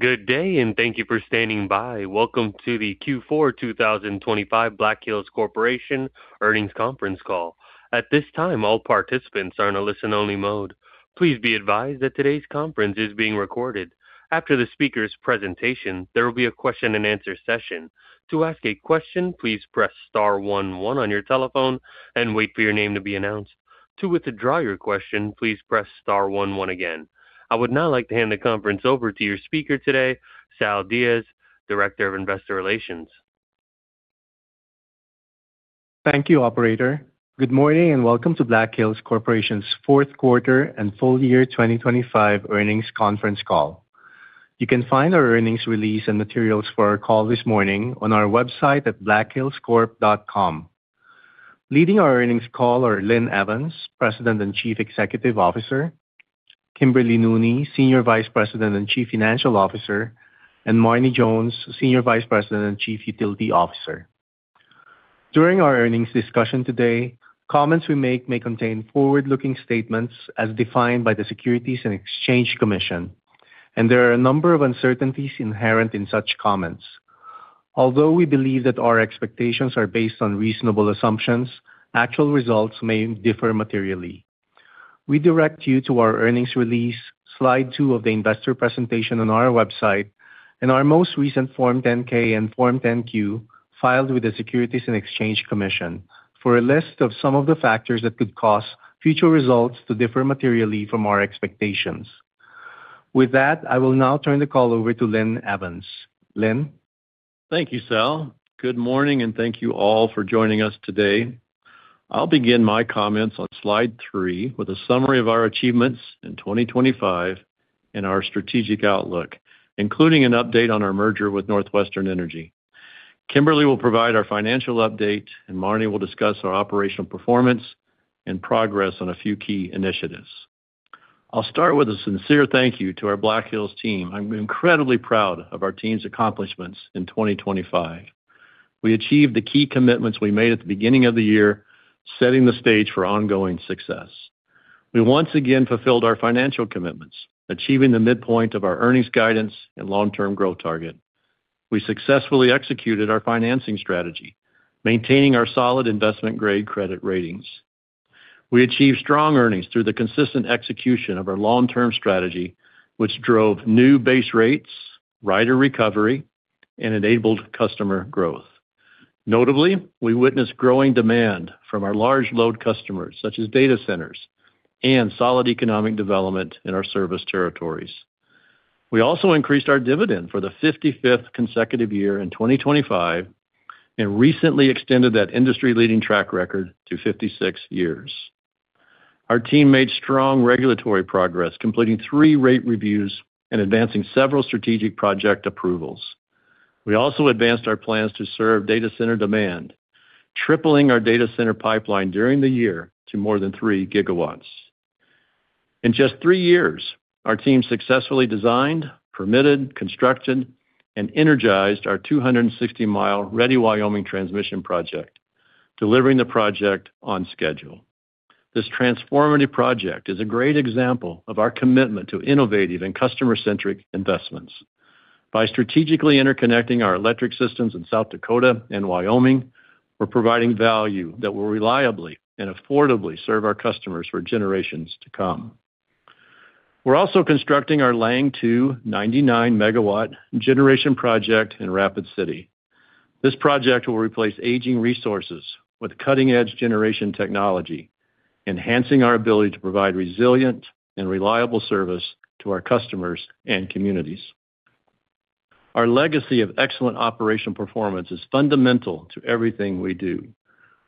Good day, and thank you for standing by. Welcome to the Q4 2025 Black Hills Corporation Earnings Conference Call. At this time, all participants are in a listen-only mode. Please be advised that today's conference is being recorded. After the speaker's presentation, there will be a question-and-answer session. To ask a question, please press star one one on your telephone and wait for your name to be announced. To withdraw your question, please press star one one again. I would now like to hand the conference over to your speaker today, Sal Diaz, Director of Investor Relations. Thank you, operator. Good morning, and welcome to Black Hills Corporation's fourth quarter and full year 2025 earnings conference call. You can find our earnings release and materials for our call this morning on our website at blackhillscorp.com. Leading our earnings call are Linn Evans, President and Chief Executive Officer, Kimberly Nooney, Senior Vice President and Chief Financial Officer, and Marne Jones, Senior Vice President and Chief Utility Officer. During our earnings discussion today, comments we make may contain forward-looking statements as defined by the Securities and Exchange Commission, and there are a number of uncertainties inherent in such comments. Although we believe that our expectations are based on reasonable assumptions, actual results may differ materially. We direct you to our earnings release, slide 2 of the investor presentation on our website, and our most recent Form 10-K and Form 10-Q filed with the Securities and Exchange Commission for a list of some of the factors that could cause future results to differ materially from our expectations. With that, I will now turn the call over to Linn Evans. Linn? Thank you, Sal. Good morning, and thank you all for joining us today. I'll begin my comments on slide 3 with a summary of our achievements in 2025 and our strategic outlook, including an update on our merger with NorthWestern Energy. Kimberly will provide our financial update, and Marne will discuss our operational performance and progress on a few key initiatives. I'll start with a sincere thank you to our Black Hills team. I'm incredibly proud of our team's accomplishments in 2025. We achieved the key commitments we made at the beginning of the year, setting the stage for ongoing success. We once again fulfilled our financial commitments, achieving the midpoint of our earnings guidance and long-term growth target. We successfully executed our financing strategy, maintaining our solid investment-grade credit ratings. We achieved strong earnings through the consistent execution of our long-term strategy, which drove new base rates, rider recovery, and enabled customer growth. Notably, we witnessed growing demand from our large load customers, such as data centers, and solid economic development in our service territories. We also increased our dividend for the 55th consecutive year in 2025 and recently extended that industry-leading track record to 56 years. Our team made strong regulatory progress, completing 3 rate reviews and advancing several strategic project approvals. We also advanced our plans to serve data center demand, tripling our data center pipeline during the year to more than 3 GW. In just 3 years, our team successfully designed, permitted, constructed, and energized our 260-mile Ready Wyoming transmission project, delivering the project on schedule. This transformative project is a great example of our commitment to innovative and customer-centric investments. By strategically interconnecting our electric systems in South Dakota and Wyoming, we're providing value that will reliably and affordably serve our customers for generations to come. We're also constructing our Lange II, 99-MW generation project in Rapid City. This project will replace aging resources with cutting-edge generation technology, enhancing our ability to provide resilient and reliable service to our customers and communities. Our legacy of excellent operation performance is fundamental to everything we do.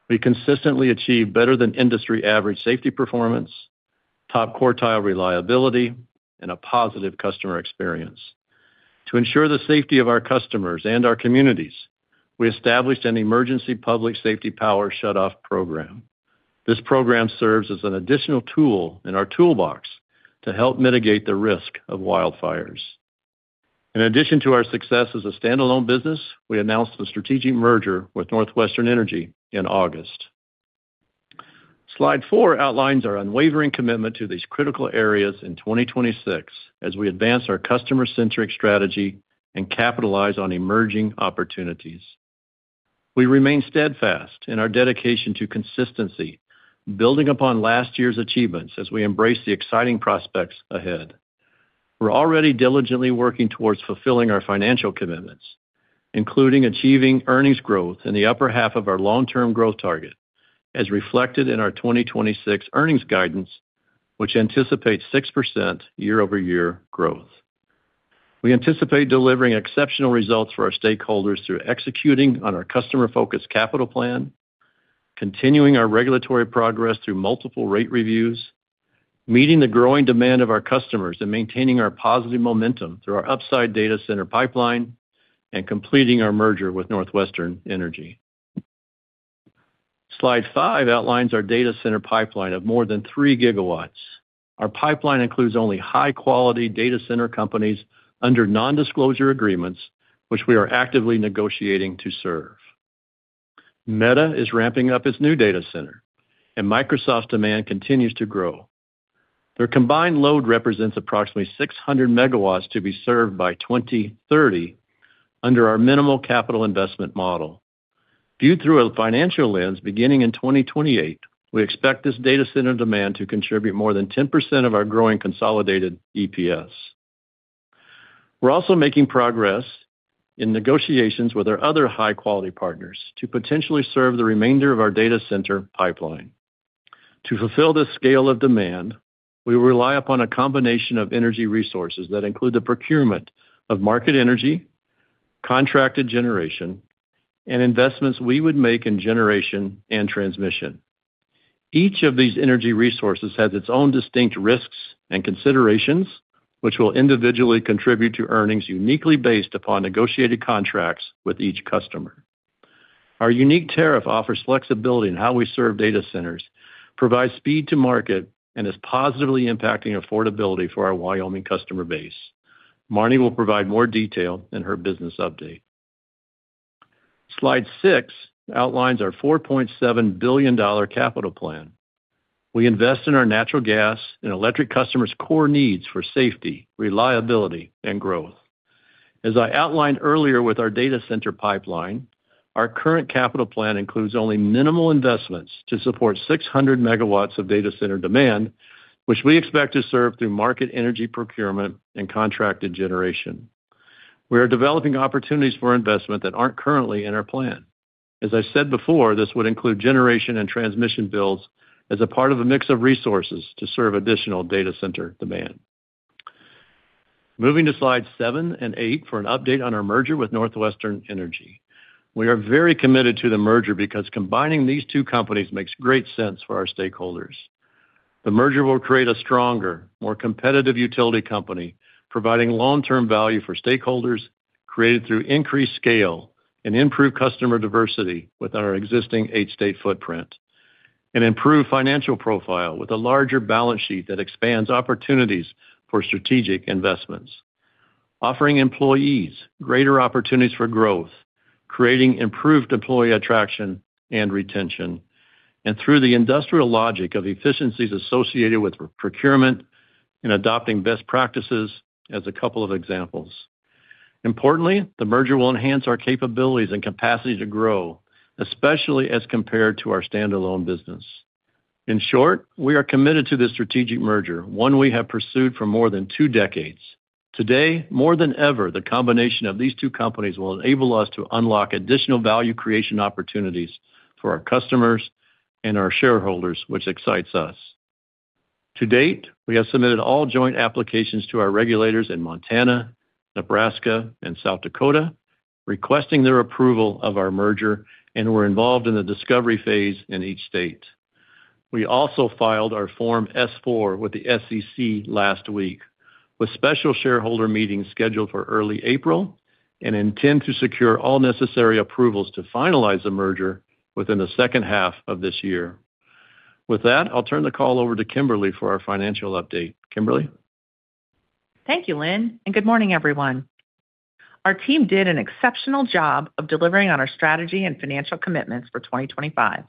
We consistently achieve better-than-industry average safety performance, top-quartile reliability, and a positive customer experience. To ensure the safety of our customers and our communities, we established an emergency public safety power shutoff program. This program serves as an additional tool in our toolbox to help mitigate the risk of wildfires. In addition to our success as a standalone business, we announced the strategic merger with NorthWestern Energy in August. Slide 4 outlines our unwavering commitment to these critical areas in 2026 as we advance our customer-centric strategy and capitalize on emerging opportunities. We remain steadfast in our dedication to consistency, building upon last year's achievements as we embrace the exciting prospects ahead. We're already diligently working towards fulfilling our financial commitments, including achieving earnings growth in the upper half of our long-term growth target, as reflected in our 2026 earnings guidance, which anticipates 6% year-over-year growth. We anticipate delivering exceptional results for our stakeholders through executing on our customer-focused capital plan, continuing our regulatory progress through multiple rate reviews, meeting the growing demand of our customers, and maintaining our positive momentum through our upside data center pipeline, and completing our merger with NorthWestern Energy. Slide 5 outlines our data center pipeline of more than 3 GW. Our pipeline includes only high-quality data center companies under nondisclosure agreements, which we are actively negotiating to serve.... Meta is ramping up its new data center, and Microsoft's demand continues to grow. Their combined load represents approximately 600 MW to be served by 2030 under our minimal capital investment model. Viewed through a financial lens, beginning in 2028, we expect this data center demand to contribute more than 10% of our growing consolidated EPS. We're also making progress in negotiations with our other high-quality partners to potentially serve the remainder of our data center pipeline. To fulfill this scale of demand, we rely upon a combination of energy resources that include the procurement of market energy, contracted generation, and investments we would make in generation and transmission. Each of these energy resources has its own distinct risks and considerations, which will individually contribute to earnings uniquely based upon negotiated contracts with each customer. Our unique tariff offers flexibility in how we serve data centers, provides speed to market, and is positively impacting affordability for our Wyoming customer base. Marne will provide more detail in her business update. Slide 6 outlines our $4.7 billion capital plan. We invest in our natural gas and electric customers' core needs for safety, reliability, and growth. As I outlined earlier with our data center pipeline, our current capital plan includes only minimal investments to support 600 MW of data center demand, which we expect to serve through market energy procurement and contracted generation. We are developing opportunities for investment that aren't currently in our plan. As I said before, this would include generation and transmission builds as a part of a mix of resources to serve additional data center demand. Moving to slides 7 and 8 for an update on our merger with NorthWestern Energy. We are very committed to the merger because combining these two companies makes great sense for our stakeholders. The merger will create a stronger, more competitive utility company, providing long-term value for stakeholders created through increased scale and improved customer diversity within our existing eight-state footprint, an improved financial profile with a larger balance sheet that expands opportunities for strategic investments, offering employees greater opportunities for growth, creating improved employee attraction and retention, and through the industrial logic of efficiencies associated with procurement and adopting best practices, as a couple of examples. Importantly, the merger will enhance our capabilities and capacity to grow, especially as compared to our standalone business. In short, we are committed to this strategic merger, one we have pursued for more than two decades. Today, more than ever, the combination of these two companies will enable us to unlock additional value creation opportunities for our customers and our shareholders, which excites us. To date, we have submitted all joint applications to our regulators in Montana, Nebraska, and South Dakota, requesting their approval of our merger, and we're involved in the discovery phase in each state. We also filed our Form S-4 with the SEC last week, with special shareholder meetings scheduled for early April and intend to secure all necessary approvals to finalize the merger within the second half of this year. With that, I'll turn the call over to Kimberly for our financial update. Kimberly? Thank you, Linn, and good morning, everyone. Our team did an exceptional job of delivering on our strategy and financial commitments for 2025.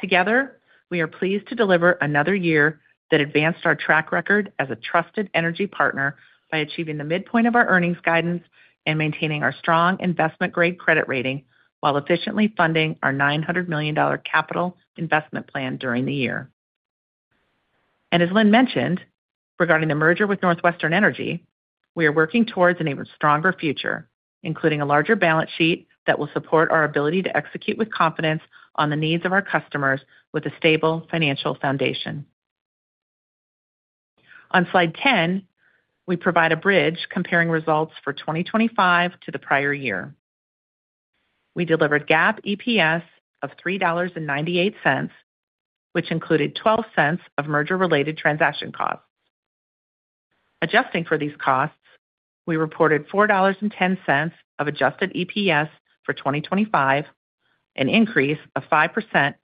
Together, we are pleased to deliver another year that advanced our track record as a trusted energy partner by achieving the midpoint of our earnings guidance and maintaining our strong investment-grade credit rating, while efficiently funding our $900 million capital investment plan during the year. And as Linn mentioned, regarding the merger with NorthWestern Energy, we are working towards an even stronger future, including a larger balance sheet that will support our ability to execute with confidence on the needs of our customers with a stable financial foundation. On slide 10, we provide a bridge comparing results for 2025 to the prior year. We delivered GAAP EPS of $3.98, which included $0.12 of merger-related transaction costs. Adjusting for these costs, we reported $4.10 of adjusted EPS for 2025, an increase of 5%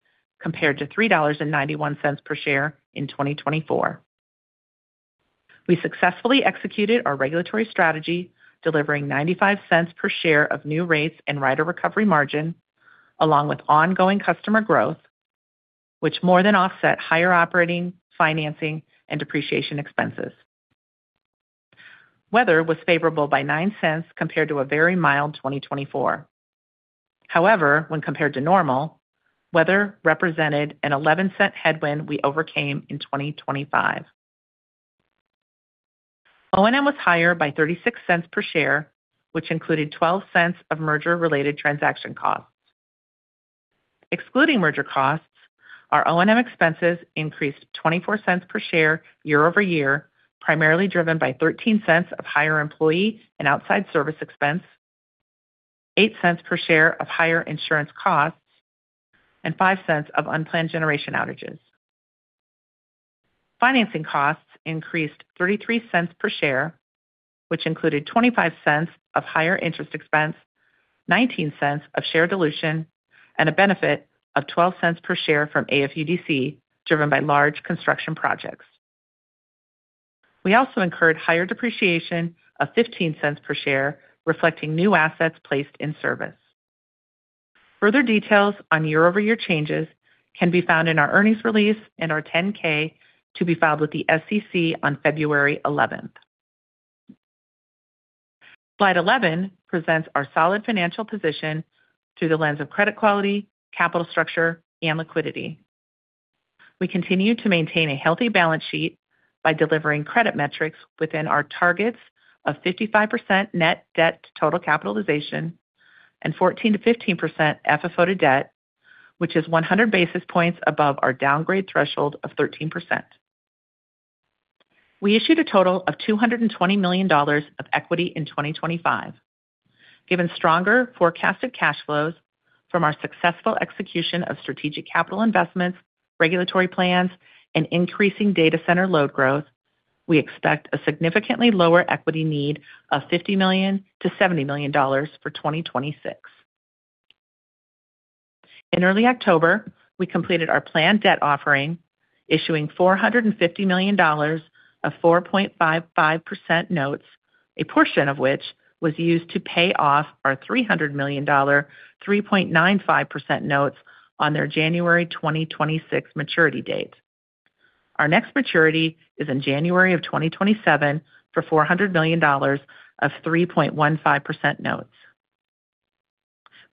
compared to $3.91 per share in 2024. We successfully executed our regulatory strategy, delivering $0.95 per share of new rates and rider recovery margin, along with ongoing customer growth, which more than offset higher operating, financing, and depreciation expenses. Weather was favorable by $0.09 compared to a very mild 2024. However, when compared to normal, weather represented an $0.11 headwind we overcame in 2025. O&M was higher by $0.36 per share, which included $0.12 of merger-related transaction costs. Excluding merger costs, our O&M expenses increased $0.24 per share year-over-year, primarily driven by $0.13 of higher employee and outside service expense, $0.08 per share of higher insurance costs, and $0.05 of unplanned generation outages. Financing costs increased $0.33 per share, which included $0.25 of higher interest expense, $0.19 of shared dilution, and a benefit of $0.12 per share from AFUDC, driven by large construction projects. We also incurred higher depreciation of $0.15 per share, reflecting new assets placed in service. Further details on year-over-year changes can be found in our earnings release and our 10-K, to be filed with the SEC on February eleventh. Slide 11 presents our solid financial position through the lens of credit quality, capital structure, and liquidity. We continue to maintain a healthy balance sheet by delivering credit metrics within our targets of 55% net debt to total capitalization and 14%-15% FFO to debt, which is 100 basis points above our downgrade threshold of 13%. We issued a total of $220 million of equity in 2025. Given stronger forecasted cash flows from our successful execution of strategic capital investments, regulatory plans, and increasing data center load growth, we expect a significantly lower equity need of $50 million-$70 million for 2026. In early October, we completed our planned debt offering, issuing $450 million of 4.55% notes, a portion of which was used to pay off our $300 million, 3.95% notes on their January 2026 maturity date. Our next maturity is in January 2027 for $400 million of 3.15% notes.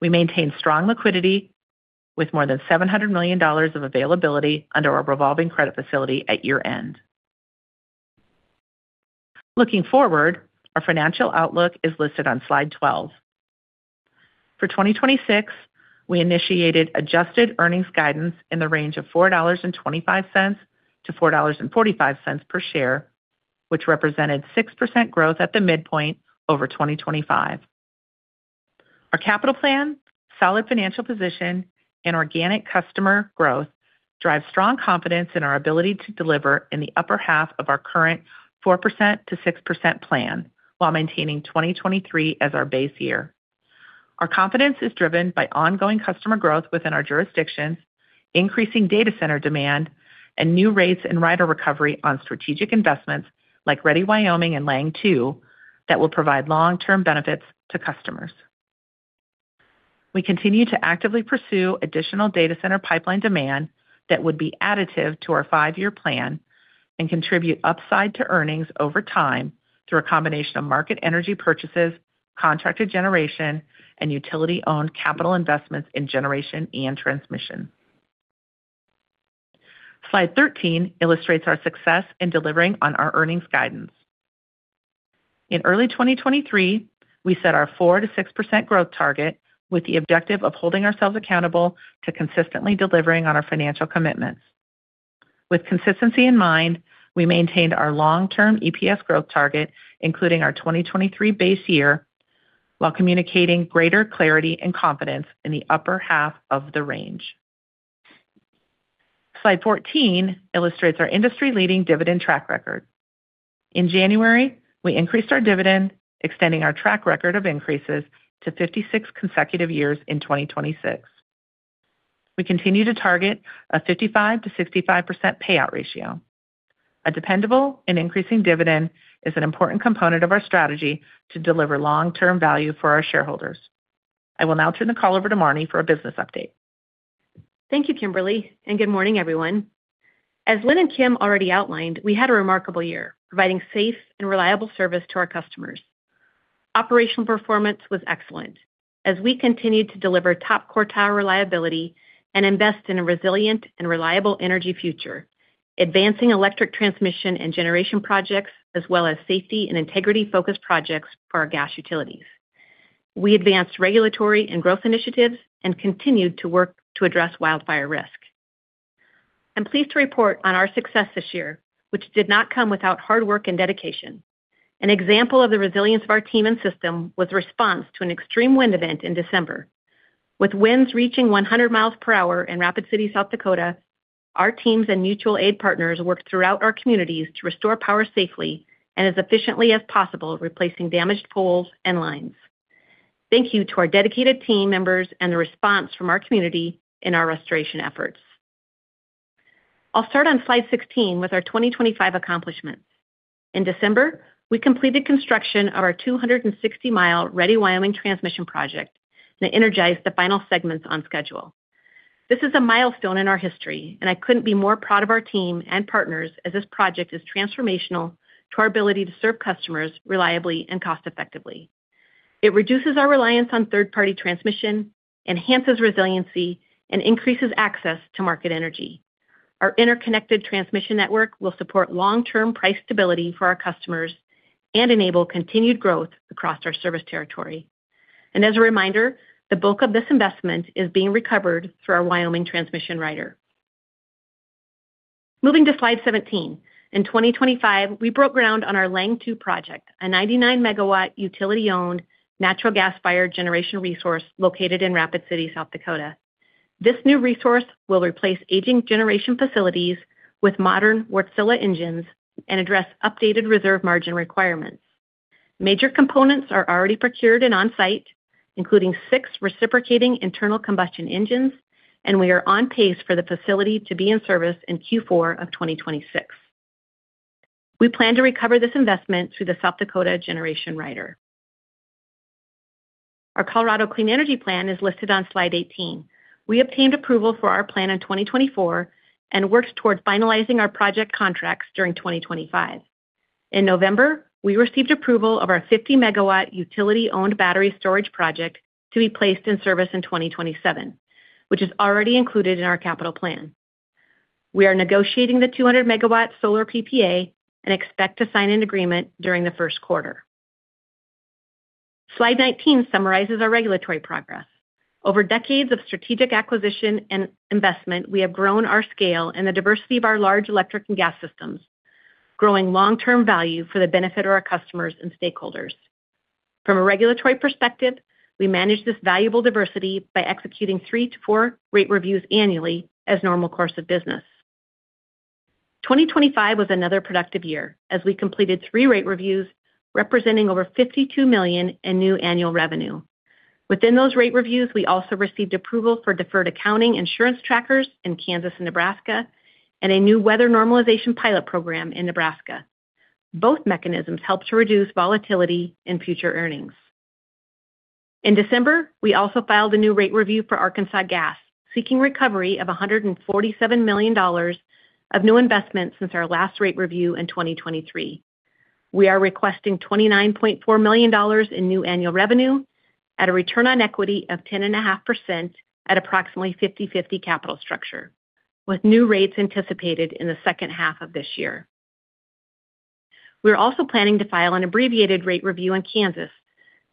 We maintain strong liquidity with more than $700 million of availability under our revolving credit facility at year-end. Looking forward, our financial outlook is listed on Slide 12. For 2026, we initiated adjusted earnings guidance in the range of $4.25-$4.45 per share, which represented 6% growth at the midpoint over 2025. Our capital plan, solid financial position, and organic customer growth drive strong confidence in our ability to deliver in the upper half of our current 4%-6% plan, while maintaining 2023 as our base year. Our confidence is driven by ongoing customer growth within our jurisdictions, increasing data center demand, and new rates and rider recovery on strategic investments like Ready Wyoming and Lange II, that will provide long-term benefits to customers. We continue to actively pursue additional data center pipeline demand that would be additive to our five-year plan and contribute upside to earnings over time through a combination of market energy purchases, contracted generation, and utility-owned capital investments in generation and transmission. Slide 13 illustrates our success in delivering on our earnings guidance. In early 2023, we set our 4%-6% growth target with the objective of holding ourselves accountable to consistently delivering on our financial commitments. With consistency in mind, we maintained our long-term EPS growth target, including our 2023 base year, while communicating greater clarity and confidence in the upper half of the range. Slide 14 illustrates our industry-leading dividend track record. In January, we increased our dividend, extending our track record of increases to 56 consecutive years in 2026. We continue to target a 55%-65% payout ratio. A dependable and increasing dividend is an important component of our strategy to deliver long-term value for our shareholders. I will now turn the call over to Marne for a business update. Thank you, Kimberly, and good morning, everyone. As Linn and Kim already outlined, we had a remarkable year, providing safe and reliable service to our customers. Operational performance was excellent as we continued to deliver top quartile reliability and invest in a resilient and reliable energy future, advancing electric transmission and generation projects, as well as safety and integrity-focused projects for our gas utilities. We advanced regulatory and growth initiatives and continued to work to address wildfire risk. I'm pleased to report on our success this year, which did not come without hard work and dedication. An example of the resilience of our team and system was the response to an extreme wind event in December. With winds reaching 100 miles per hour in Rapid City, South Dakota, our teams and mutual aid partners worked throughout our communities to restore power safely and as efficiently as possible, replacing damaged poles and lines. Thank you to our dedicated team members and the response from our community in our restoration efforts. I'll start on slide 16 with our 2025 accomplishments. In December, we completed construction of our 260-mile Ready Wyoming transmission project and energized the final segments on schedule. This is a milestone in our history, and I couldn't be more proud of our team and partners, as this project is transformational to our ability to serve customers reliably and cost effectively. It reduces our reliance on third-party transmission, enhances resiliency, and increases access to market energy. Our interconnected transmission network will support long-term price stability for our customers and enable continued growth across our service territory. As a reminder, the bulk of this investment is being recovered through our Wyoming Transmission Rider. Moving to slide 17. In 2025, we broke ground on our Lange II project, a 99-MW, utility-owned, natural gas-fired generation resource located in Rapid City, South Dakota. This new resource will replace aging generation facilities with modern Wärtsilä engines and address updated reserve margin requirements. Major components are already procured and on site, including six reciprocating internal combustion engines, and we are on pace for the facility to be in service in Q4 of 2026. We plan to recover this investment through the South Dakota Generation Rider. Our Colorado Clean Energy Plan is listed on slide 18. We obtained approval for our plan in 2024 and worked towards finalizing our project contracts during 2025. In November, we received approval of our 50-MW utility-owned battery storage project to be placed in service in 2027, which is already included in our capital plan. We are negotiating the 200-MW solar PPA and expect to sign an agreement during the first quarter. Slide 19 summarizes our regulatory progress. Over decades of strategic acquisition and investment, we have grown our scale and the diversity of our large electric and gas systems, growing long-term value for the benefit of our customers and stakeholders. From a regulatory perspective, we manage this valuable diversity by executing 3-4 rate reviews annually as normal course of business. 2025 was another productive year as we completed 3 rate reviews, representing over $52 million in new annual revenue. Within those rate reviews, we also received approval for deferred accounting insurance trackers in Kansas and Nebraska, and a new weather normalization pilot program in Nebraska. Both mechanisms help to reduce volatility in future earnings. In December, we also filed a new rate review for Arkansas Gas, seeking recovery of $147 million of new investments since our last rate review in 2023. We are requesting $29.4 million in new annual revenue at a return on equity of 10.5% at approximately 50/50 capital structure, with new rates anticipated in the second half of this year. We are also planning to file an abbreviated rate review in Kansas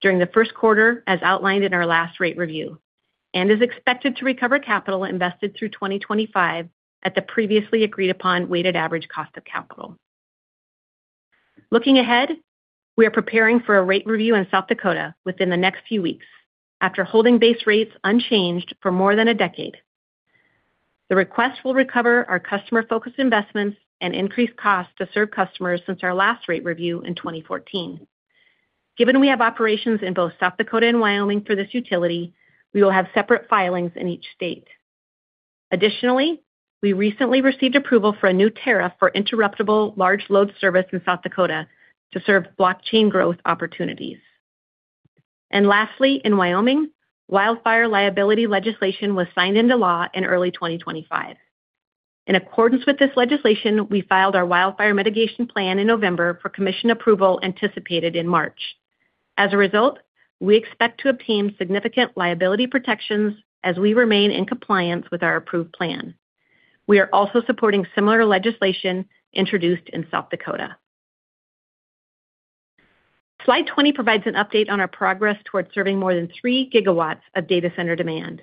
during the first quarter, as outlined in our last rate review, and is expected to recover capital invested through 2025 at the previously agreed upon weighted average cost of capital. Looking ahead, we are preparing for a rate review in South Dakota within the next few weeks. After holding base rates unchanged for more than a decade, the request will recover our customer-focused investments and increased costs to serve customers since our last rate review in 2014. Given we have operations in both South Dakota and Wyoming for this utility, we will have separate filings in each state. Additionally, we recently received approval for a new tariff for interruptible large load service in South Dakota to serve blockchain growth opportunities. Lastly, in Wyoming, wildfire liability legislation was signed into law in early 2025. In accordance with this legislation, we filed our wildfire mitigation plan in November for commission approval anticipated in March. As a result, we expect to obtain significant liability protections as we remain in compliance with our approved plan. We are also supporting similar legislation introduced in South Dakota. Slide 20 provides an update on our progress towards serving more than 3 GW of data center demand.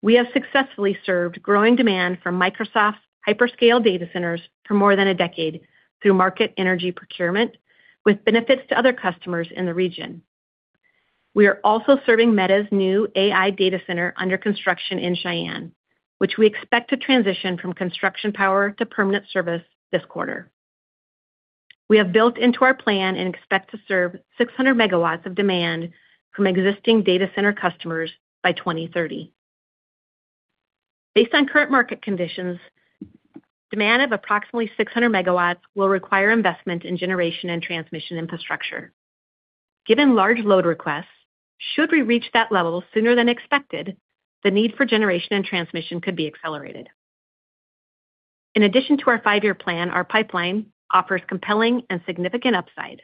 We have successfully served growing demand from Microsoft's hyperscale data centers for more than a decade through market energy procurement, with benefits to other customers in the region. We are also serving Meta's new AI data center under construction in Cheyenne, which we expect to transition from construction power to permanent service this quarter. We have built into our plan and expect to serve 600 MW of demand from existing data center customers by 2030. Based on current market conditions, demand of approximately 600 MW will require investment in generation and transmission infrastructure. Given large load requests, should we reach that level sooner than expected, the need for generation and transmission could be accelerated. In addition to our five-year plan, our pipeline offers compelling and significant upside.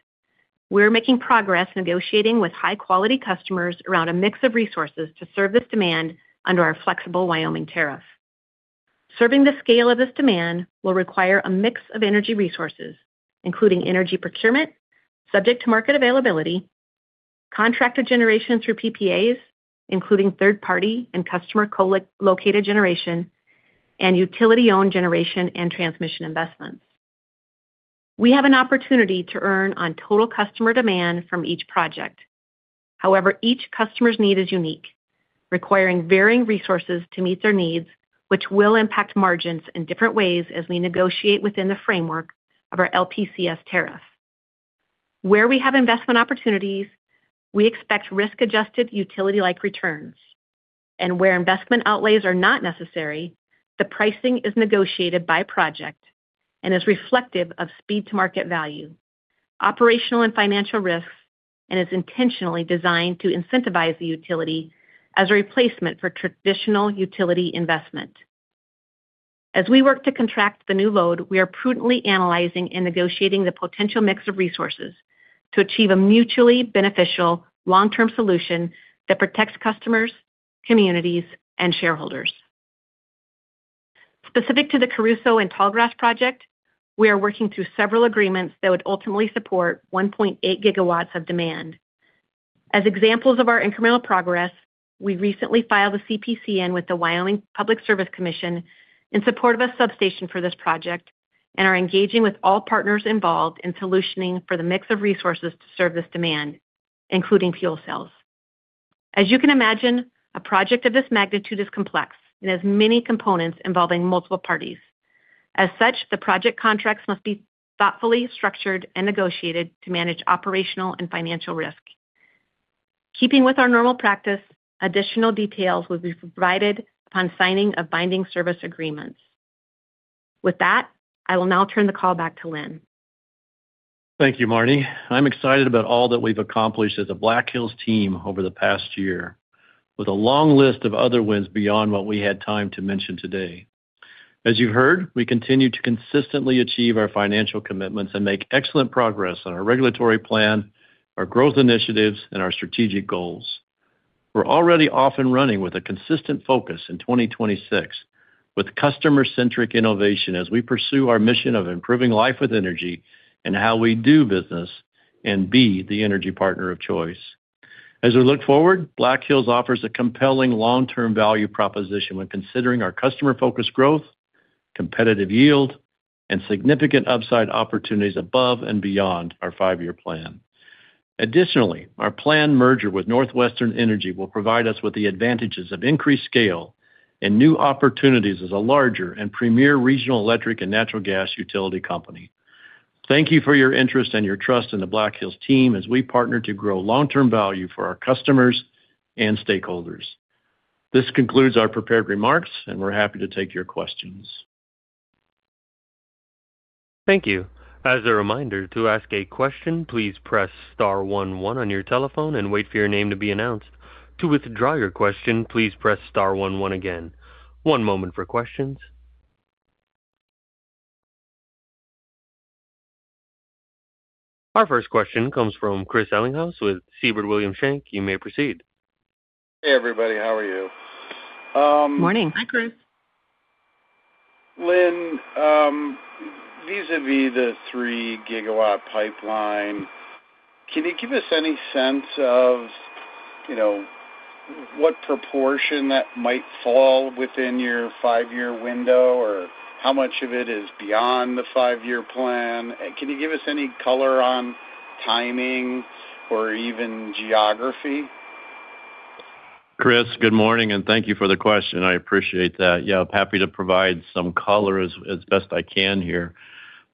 We're making progress negotiating with high-quality customers around a mix of resources to serve this demand under our flexible Wyoming tariff. Serving the scale of this demand will require a mix of energy resources, including energy procurement, subject to market availability, contracted generation through PPAs, including third-party and customer co-located generation, and utility-owned generation and transmission investments. We have an opportunity to earn on total customer demand from each project. However, each customer's need is unique, requiring varying resources to meet their needs, which will impact margins in different ways as we negotiate within the framework of our LPCS tariff. Where we have investment opportunities, we expect risk-adjusted, utility-like returns. Where investment outlays are not necessary, the pricing is negotiated by project and is reflective of speed to market value, operational and financial risks, and is intentionally designed to incentivize the utility as a replacement for traditional utility investment. As we work to contract the new load, we are prudently analyzing and negotiating the potential mix of resources to achieve a mutually beneficial long-term solution that protects customers, communities, and shareholders. Specific to the Crusoe and Tallgrass project, we are working through several agreements that would ultimately support 1.8 GW of demand. As examples of our incremental progress, we recently filed a CPCN with the Wyoming Public Service Commission in support of a substation for this project, and are engaging with all partners involved in solutioning for the mix of resources to serve this demand, including fuel cells. As you can imagine, a project of this magnitude is complex and has many components involving multiple parties. As such, the project contracts must be thoughtfully structured and negotiated to manage operational and financial risk. Keeping with our normal practice, additional details will be provided upon signing of binding service agreements. With that, I will now turn the call back to Linn. Thank you, Marne. I'm excited about all that we've accomplished as a Black Hills team over the past year, with a long list of other wins beyond what we had time to mention today. As you've heard, we continue to consistently achieve our financial commitments and make excellent progress on our regulatory plan, our growth initiatives, and our strategic goals. We're already off and running with a consistent focus in 2026, with customer-centric innovation as we pursue our mission of improving life with energy and how we do business and be the energy partner of choice. As we look forward, Black Hills offers a compelling long-term value proposition when considering our customer-focused growth, competitive yield, and significant upside opportunities above and beyond our five-year plan. Additionally, our planned merger with NorthWestern Energy will provide us with the advantages of increased scale and new opportunities as a larger and premier regional electric and natural gas utility company. Thank you for your interest and your trust in the Black Hills team as we partner to grow long-term value for our customers and stakeholders. This concludes our prepared remarks, and we're happy to take your questions. Thank you. As a reminder, to ask a question, please press star one one on your telephone and wait for your name to be announced. To withdraw your question, please press star one one again. One moment for questions. Our first question comes from Chris Ellinghaus with Siebert Williams Shank. You may proceed. Hey, everybody. How are you? Morning. Hi, Chris. Linn, vis-a-vis the 3 GW pipeline, can you give us any sense of, you know, what proportion that might fall within your five-year window, or how much of it is beyond the five-year plan? Can you give us any color on timing or even geography? Chris, good morning, and thank you for the question. I appreciate that. Yeah, happy to provide some color as best I can here.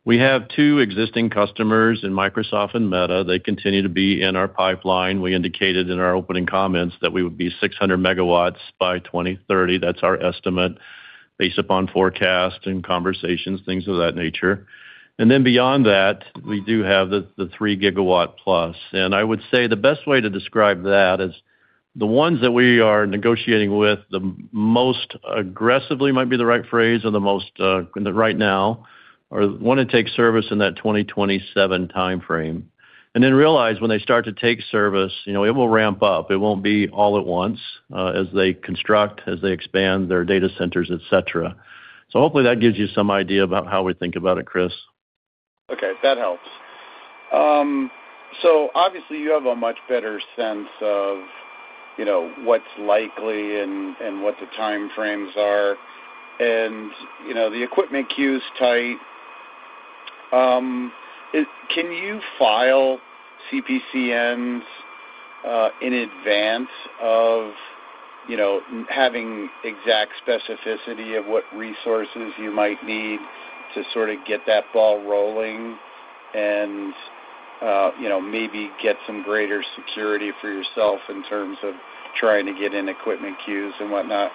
We have two existing customers in Microsoft and Meta. They continue to be in our pipeline. We indicated in our opening comments that we would be 600 MW by 2030. That's our estimate, based upon forecast and conversations, things of that nature. And then beyond that, we do have the 3 GW+. And I would say the best way to describe that is the ones that we are negotiating with, the most aggressively might be the right phrase, or the most right now, or want to take service in that 2027 time frame. And then realize when they start to take service, you know, it will ramp up. It won't be all at once, as they construct, as they expand their data centers, et cetera. So hopefully that gives you some idea about how we think about it, Chris. Okay, that helps. So obviously you have a much better sense of, you know, what's likely and, and what the time frames are, and, you know, the equipment queue's tight. Can you file CPCNs in advance of, you know, having exact specificity of what resources you might need to sort of get that ball rolling and, you know, maybe get some greater security for yourself in terms of trying to get in equipment queues and whatnot?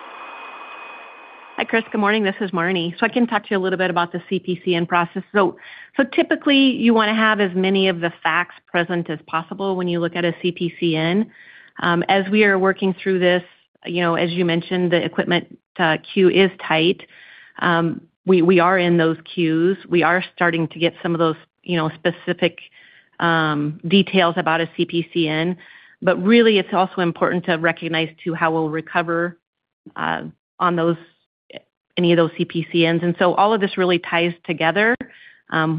Hi, Chris. Good morning. This is Marne. So I can talk to you a little bit about the CPCN process. Typically, you want to have as many of the facts present as possible when you look at a CPCN. As we are working through this, you know, as you mentioned, the equipment queue is tight. We are in those queues. We are starting to get some of those, you know, specific details about a CPCN, but really, it's also important to recognize, too, how we'll recover on those, any of those CPCNs. And so all of this really ties together.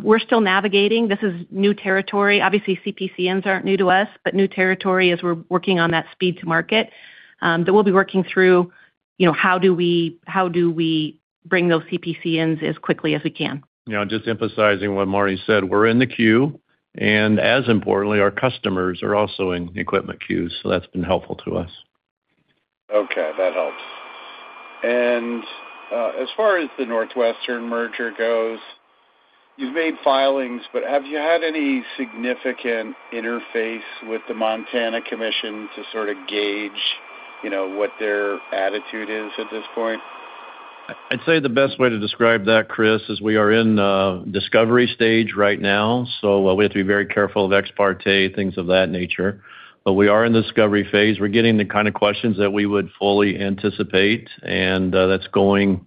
We're still navigating. This is new territory. Obviously, CPCNs aren't new to us, but new territory as we're working on that speed to market that we'll be working through, you know, how do we bring those CPCNs as quickly as we can? You know, just emphasizing what Marne said, we're in the queue, and as importantly, our customers are also in the equipment queues, so that's been helpful to us. Okay, that helps. As far as the NorthWestern merger goes, you've made filings, but have you had any significant interface with the Montana Commission to sort of gauge, you know, what their attitude is at this point? I'd say the best way to describe that, Chris, is we are in the discovery stage right now, so we have to be very careful of ex parte, things of that nature. But we are in the discovery phase. We're getting the kind of questions that we would fully anticipate, and that's going,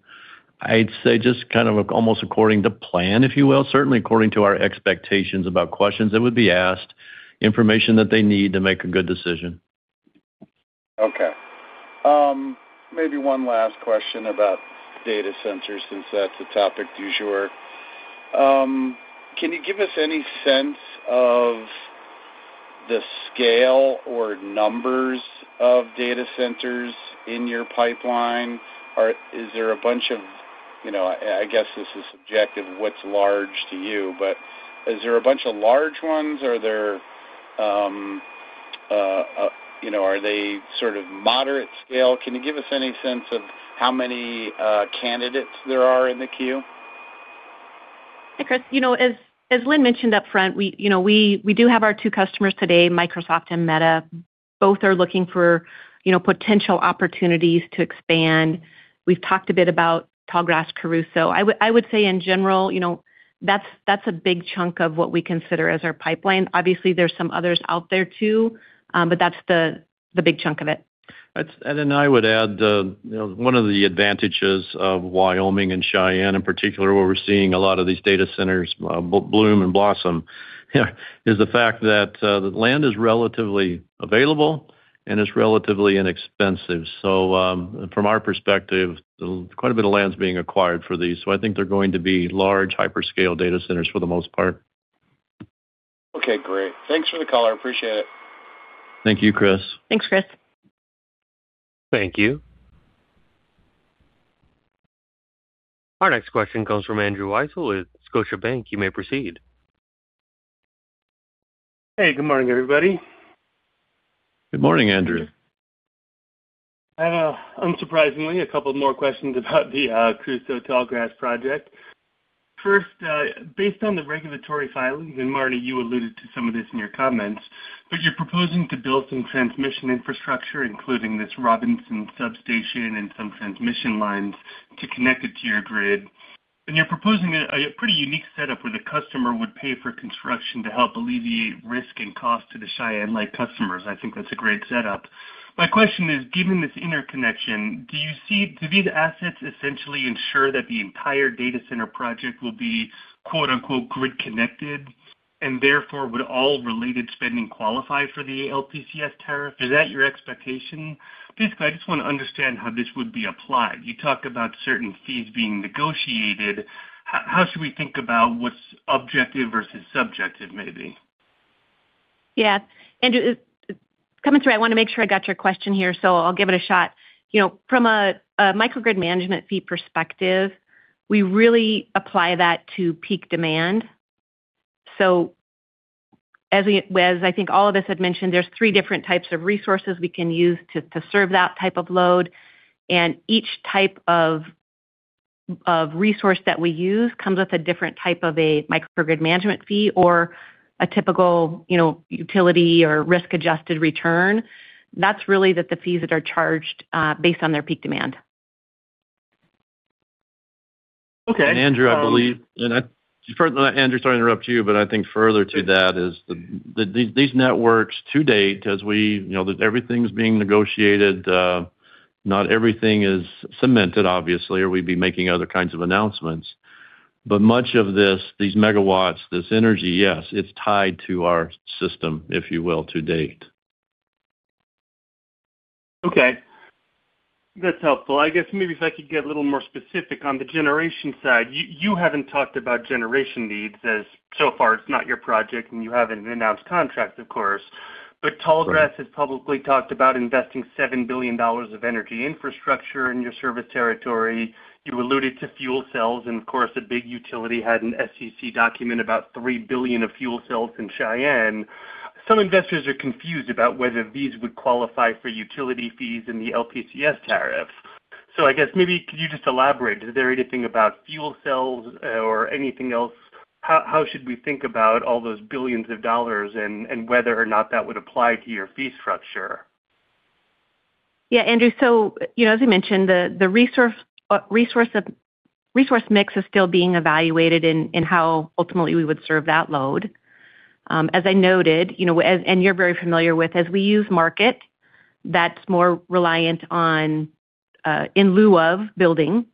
I'd say, just kind of almost according to plan, if you will. Certainly according to our expectations about questions that would be asked, information that they need to make a good decision. Okay. Maybe one last question about data centers, since that's a topic du jour. Can you give us any sense of the scale or numbers of data centers in your pipeline? Or is there? You know, I guess this is subjective, what's large to you, but is there a bunch of large ones or are there, you know, are they sort of moderate scale? Can you give us any sense of how many candidates there are in the queue? Hey, Chris. You know, as Linn mentioned up front, we do have our two customers today, Microsoft and Meta. Both are looking for potential opportunities to expand. We've talked a bit about Tallgrass Crusoe. I would say in general, you know, that's a big chunk of what we consider as our pipeline. Obviously, there's some others out there too, but that's the big chunk of it. And then I would add, you know, one of the advantages of Wyoming and Cheyenne in particular, where we're seeing a lot of these data centers bloom and blossom, is the fact that the land is relatively available and is relatively inexpensive. So, from our perspective, quite a bit of land is being acquired for these, so I think they're going to be large, hyperscale data centers for the most part. Okay, great. Thanks for the call. I appreciate it. Thank you, Chris. Thanks, Chris. Thank you. Our next question comes from Andrew Weisel with Scotiabank. You may proceed. Hey, good morning, everybody. Good morning, Andrew. Unsurprisingly, a couple more questions about the Crusoe Tallgrass project. First, based on the regulatory filings, and Marne, you alluded to some of this in your comments, but you're proposing to build some transmission infrastructure, including this Robinson Substation and some transmission lines, to connect it to your grid. And you're proposing a pretty unique setup where the customer would pay for construction to help alleviate risk and cost to the Cheyenne Light customers. I think that's a great setup. My question is, given this interconnection, do you see... Do these assets essentially ensure that the entire data center project will be, quote unquote, “grid connected,” and therefore, would all related spending qualify for the LPCS tariff? Is that your expectation? Basically, I just want to understand how this would be applied. You talked about certain fees being negotiated. How, how should we think about what's objective versus subjective, maybe? Yeah. Andrew, coming through, I want to make sure I got your question here, so I'll give it a shot. You know, from a microgrid management fee perspective, we really apply that to peak demand. So as I think all of us have mentioned, there's three different types of resources we can use to serve that type of load, and each type of resource that we use comes with a different type of a microgrid management fee or a typical, you know, utility or risk-adjusted return. That's really the fees that are charged based on their peak demand. Okay. Andrew, I believe, and I, Andrew, sorry to interrupt you, but I think further to that is the, these, these networks to date, as we, you know, that everything's being negotiated, not everything is cemented, obviously, or we'd be making other kinds of announcements. But much of this, these megawatts, this energy, yes, it's tied to our system, if you will, to date. Okay. That's helpful. I guess maybe if I could get a little more specific on the generation side. You, you haven't talked about generation needs as, so far, it's not your project, and you haven't announced contracts, of course. But Tallgrass has publicly talked about investing $7 billion of energy infrastructure in your service territory. You alluded to fuel cells, and of course, a big utility had an SEC document, about $3 billion of fuel cells in Cheyenne. Some investors are confused about whether these would qualify for utility fees and the LPCS tariff. So I guess maybe could you just elaborate, is there anything about fuel cells or anything else? How, how should we think about all those billions of dollars and, and whether or not that would apply to your fee structure? Yeah, Andrew. So, you know, as I mentioned, the resource mix is still being evaluated and how ultimately we would serve that load. As I noted, you know, as... And you're very familiar with, as we use market, that's more reliant on, in lieu of building.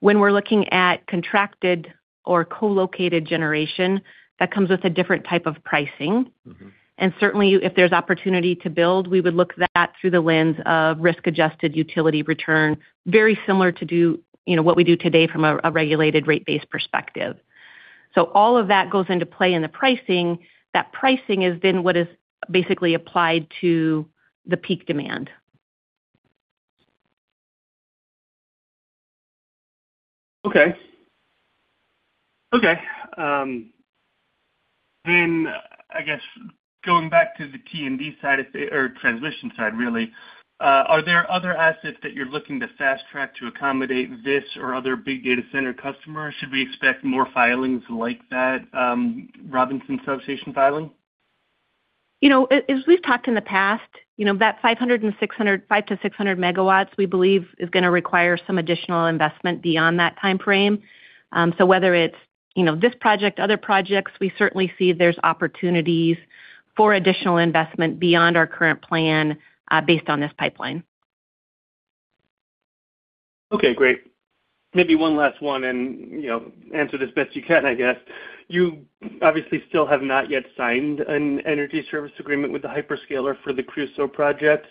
When we're looking at contracted or co-located generation, that comes with a different type of pricing. Mm-hmm. And certainly, if there's opportunity to build, we would look that through the lens of risk-adjusted utility return, very similar to, you know, what we do today from a regulated rate base perspective. So all of that goes into play in the pricing. That pricing is then what is basically applied to the peak demand. Okay. Okay, then I guess going back to the T and D side, or transmission side, really, are there other assets that you're looking to fast track to accommodate this or other big data center customers? Should we expect more filings like that, Robinson Substation filing? You know, as we've talked in the past, you know, that 500 MW-600 MW, we believe, is gonna require some additional investment beyond that timeframe. So whether it's, you know, this project, other projects, we certainly see there's opportunities for additional investment beyond our current plan, based on this pipeline. Okay, great. Maybe one last one, and, you know, answer this best you can, I guess. You obviously still have not yet signed an energy service agreement with the hyperscaler for the Crusoe project.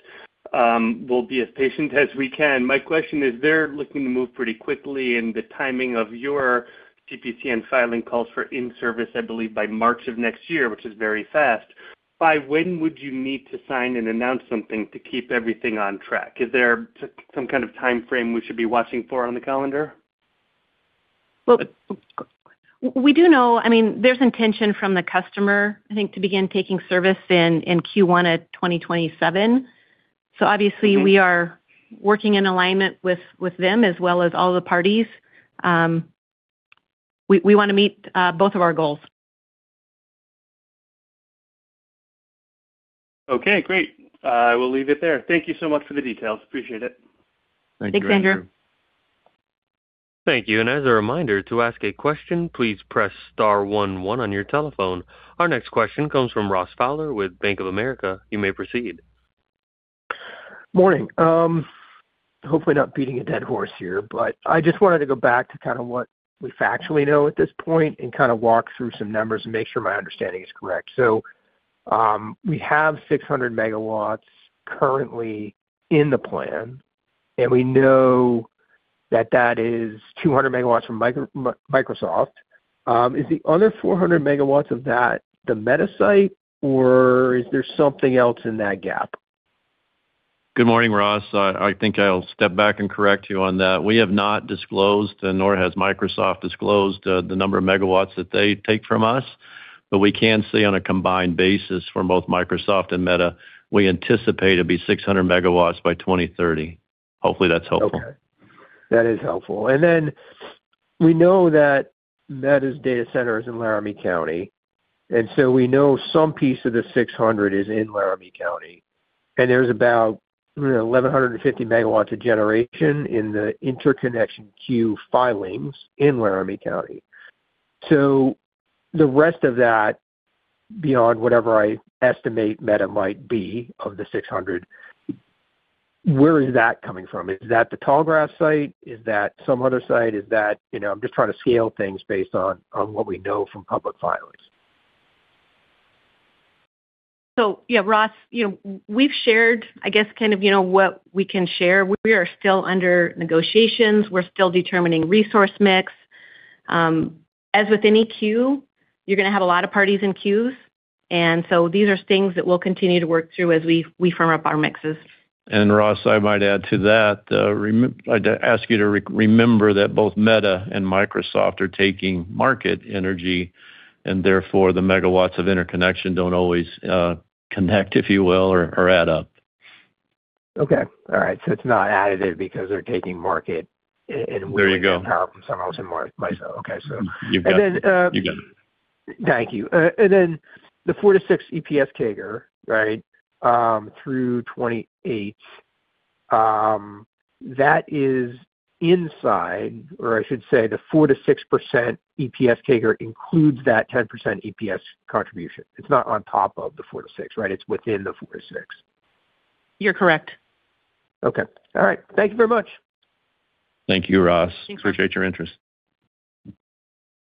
We'll be as patient as we can. My question is, they're looking to move pretty quickly, and the timing of your CPCN filing calls for in-service, I believe, by March of next year, which is very fast. By when would you need to sign and announce something to keep everything on track? Is there some kind of time frame we should be watching for on the calendar? Well, we do know. I mean, there's intention from the customer, I think, to begin taking service in Q1 2027. So obviously, we are working in alignment with them as well as all the parties. We want to meet both of our goals. Okay, great. I will leave it there. Thank you so much for the details. Appreciate it. Thanks, Andrew. Thank you. As a reminder, to ask a question, please press star one one on your telephone. Our next question comes from Ross Fowler with Bank of America. You may proceed. Morning. Hopefully not beating a dead horse here, but I just wanted to go back to kind of what we factually know at this point and kind of walk through some numbers and make sure my understanding is correct. So, we have 600 MW currently in the plan, and we know that that is 200 MW from Microsoft. Is the other 400 MW of that the Meta site, or is there something else in that gap? Good morning, Ross. I think I'll step back and correct you on that. We have not disclosed, nor has Microsoft disclosed, the number of megawatts that they take from us, but we can say on a combined basis from both Microsoft and Meta, we anticipate it'll be 600 MW by 2030. Hopefully, that's helpful. Okay. That is helpful. And then we know that Meta's data center is in Laramie County, and so we know some piece of the 600 is in Laramie County, and there's about 1,150 MW of generation in the interconnection queue filings in Laramie County. So the rest of that, beyond whatever I estimate Meta might be of the 600, where is that coming from? Is that the Tallgrass site? Is that some other site? Is that... You know, I'm just trying to scale things based on, on what we know from public filings. So yeah, Ross, you know, we've shared, I guess, kind of, you know, what we can share. We are still under negotiations. We're still determining resource mix. As with any queue, you're gonna have a lot of parties in queues, and so these are things that we'll continue to work through as we firm up our mixes. And Ross, I might add to that. I'd ask you to remember that both Meta and Microsoft are taking market energy, and therefore, the megawatts of interconnection don't always connect, if you will, or add up. Okay. All right, so it's not additive because they're taking market and- There you go. Some of them are myself. Okay, so- You've got it. You've got it. Thank you. And then the 4-6 EPS CAGR, right, through 2028, that is inside, or I should say, the 4%-6% EPS CAGR includes that 10% EPS contribution. It's not on top of the 4-6, right? It's within the 4-6. You're correct. Okay. All right. Thank you very much. Thank you, Ross. Appreciate your interest.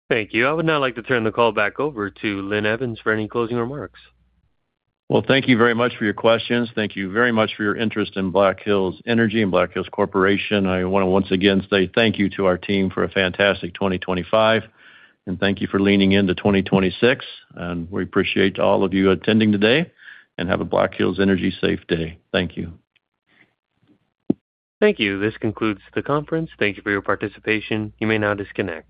Thank you. I would now like to turn the call back over to Linn Evans for any closing remarks. Well, thank you very much for your questions. Thank you very much for your interest in Black Hills Energy and Black Hills Corporation. I want to once again say thank you to our team for a fantastic 2025, and thank you for leaning in to 2026, and we appreciate all of you attending today, and have a Black Hills Energy safe day. Thank you. Thank you. This concludes the conference. Thank you for your participation. You may now disconnect.